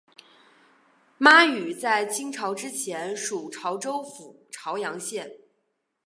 妈屿在清朝之前属潮州府潮阳县。